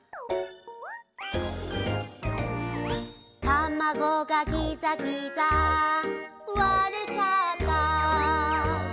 「たまごがギザギザ割れちゃった」